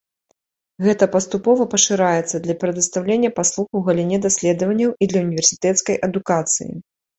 Гэта паступова пашыраецца для прадастаўлення паслуг у галіне даследаванняў і для універсітэцкай адукацыі.